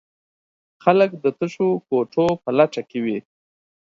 خلک د تشو کوټو په لټه کې وي.